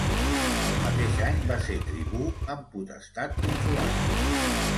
El mateix any va ser tribú amb potestat consolar.